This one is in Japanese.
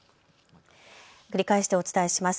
繰り返してお伝えします。